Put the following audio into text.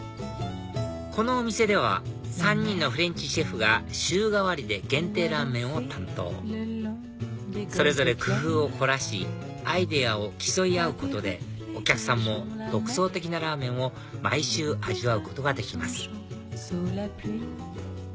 このお店では３人のフレンチシェフが週替わりで限定ラーメンを担当それぞれ工夫を凝らしアイデアを競い合うことでお客さんも独創的なラーメンを毎週味わうことができます